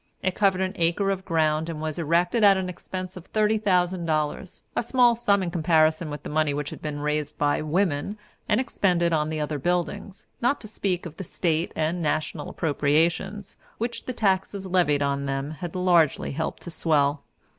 It covered an acre of ground, and was erected at an expense of thirty thousand dollars a small sum in comparison with the money which had been raised by women and expended on the other buildings, not to speak of the State and national appropriations, which the taxes levied on them had largely helped to swell.